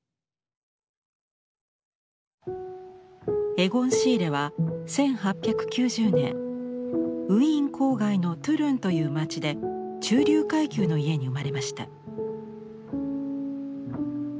エゴン・シーレは１８９０年ウィーン郊外のトゥルンという町で中流階級の家に生まれました。